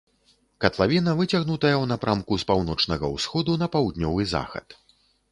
Катлавіна выцягнутая ў напрамку з паўночнага ўсходу на паўднёвы захад.